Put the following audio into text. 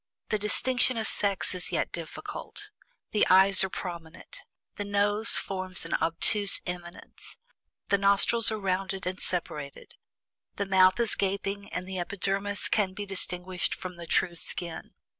The distinction of sex is yet difficult. The eyes are prominent. The nose forms an obtuse eminence. The nostrils are rounded and separated. The mouth is gaping, and the epidermis can be distinguished from the true skin.